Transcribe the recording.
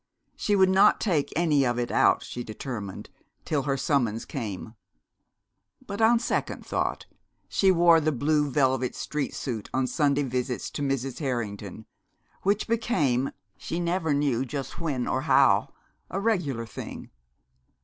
She would not take any of it out, she determined, till her summons came. But on second thought, she wore the blue velvet street suit on Sunday visits to Mrs. Harrington, which became she never knew just when or how a regular thing.